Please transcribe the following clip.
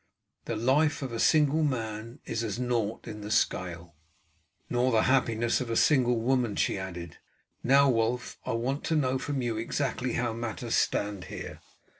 The life of a single man is as nought in the scale." "Nor the happiness of a single woman," she added. "Now, Wulf, I want to know from you exactly how matters stand here.